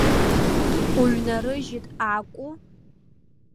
Уҩнарыжьит акәу?